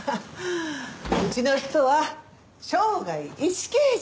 うちの人は生涯一刑事。